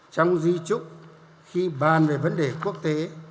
trong di trúc khi bàn về vấn đề quốc tế